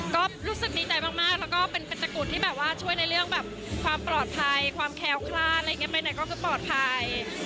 ก็รู้สึกมีใจมากและก็เป็นตะกรุษที่ช่วยในเรื่องความปลอดภัยความแคล้วคราดไปไหนก็ปลอดภัย